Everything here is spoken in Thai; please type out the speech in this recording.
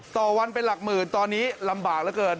ต่อวันเป็นหลักหมื่นตอนนี้ลำบากเหลือเกิน